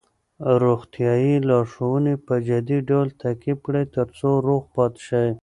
روغتیايي لارښوونې په جدي ډول تعقیب کړئ ترڅو روغ پاتې شئ.